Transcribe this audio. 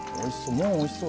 もうおいしそう。